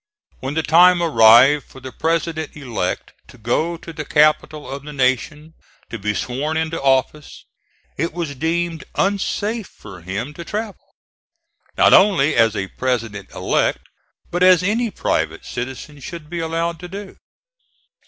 When the time arrived for the President elect to go to the capital of the Nation to be sworn into office, it was deemed unsafe for him to travel, not only as a President elect, but as any private citizen should be allowed to do.